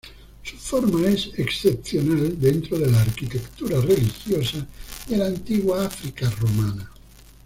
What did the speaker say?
Su forma es excepcional dentro de la arquitectura religiosa de la antigua África romana.